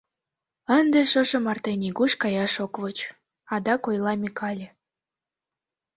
— Ынде шошо марте нигуш каяш ок воч, — адак ойла Микале.